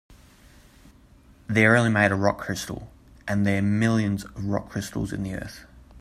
They're only made of rock crystal, and there are millions of rock crystals in the earth.